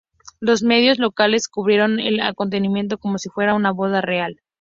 Los medios locales cubrieron el acontecimiento como si fuera una boda real.